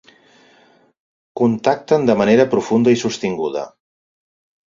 Contacten de manera profunda i sostinguda.